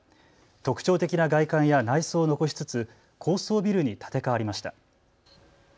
特徴的な外観や内装を残しつつ高層ビルに建て替わりました。